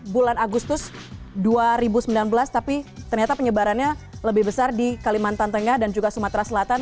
bulan agustus dua ribu sembilan belas tapi ternyata penyebarannya lebih besar di kalimantan tengah dan juga sumatera selatan